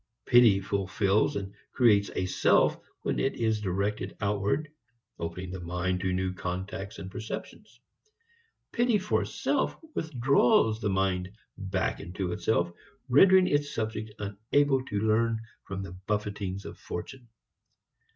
Pity fulfils and creates a self when it is directed outward, opening the mind to new contacts and receptions. Pity for self withdraws the mind back into itself, rendering its subject unable to learn from the buffetings of fortune.